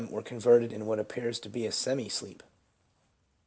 were converted in what appears to be a semi sleep.